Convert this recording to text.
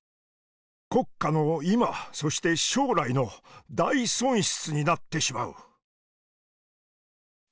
国家の今そして将来の大損失になってしまう」。